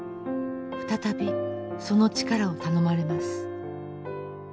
再びその力を頼まれます。